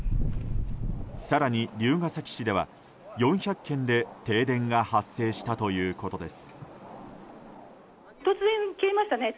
更に、龍ケ崎市では４００軒で停電が発生したということです。